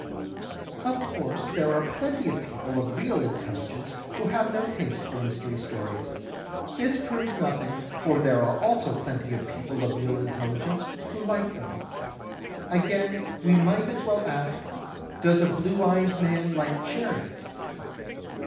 Of course there are plenty of people of real intelligence who have no taste for Mystery Stories. This proves nothing, for there are also plenty of people of real intelligence who like them. Again we might as well ask, "Does a blue eyed man like cherries?